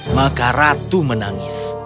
maka ratu menangis